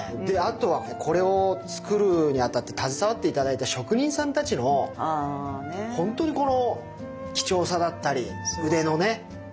であとはこれを作るにあたって携わって頂いた職人さんたちのほんとにこの貴重さだったり腕のね。